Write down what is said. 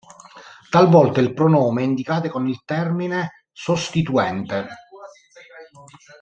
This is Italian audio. Talvolta il pronome è indicato con il termine "sostituente".